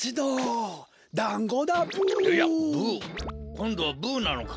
こんどはブなのか？